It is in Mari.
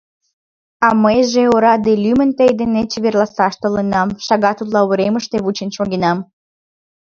А мыйже, ораде, лӱмын тый денет чеверласаш толынам, шагат утла уремыште вучен шогенам.